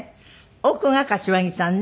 奥が柏木さんね。